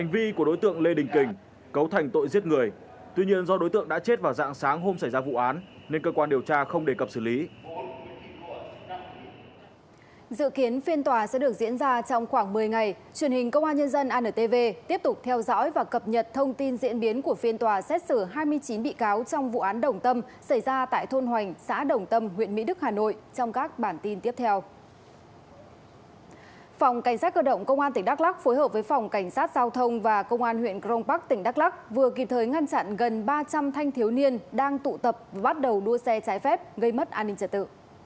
vừa kịp thời ngăn chặn gần ba trăm linh thanh thiếu niên đang tụ tập và bắt đầu đua xe trái phép gây mất an ninh trả tự